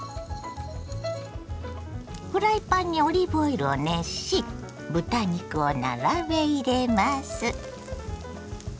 フライパンにオリーブオイルを熱し豚肉を並べ入れます。